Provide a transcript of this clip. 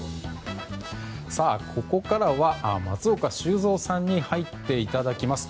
ここからは松岡修造さんに入っていただきます。